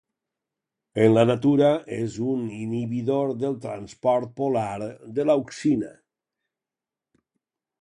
En la natura és un inhibidor del transport polar de l'auxina.